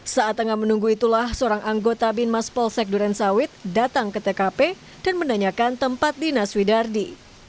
saat tengah menunggu itulah seorang anggota bin mas polsek durensawit datang ke tkp dan menanyakan tempat dinas widardi